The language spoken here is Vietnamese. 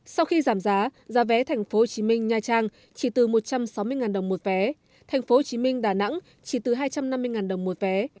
sau khi giảm giá giá vé tp hcm nha trang chỉ từ một trăm sáu mươi đồng một vé tp hcm đà nẵng chỉ từ hai trăm năm mươi đồng một vé